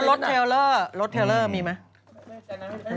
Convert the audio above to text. เทลเลอร์รถเทลเลอร์มีไหม